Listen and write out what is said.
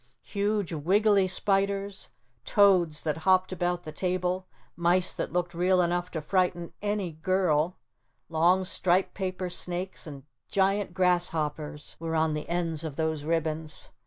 Huge wiggly spiders, toads that hopped about the table, mice that looked real enough to frighten any girl, long striped paper snakes and giant grasshoppers were on the ends of those ribbons.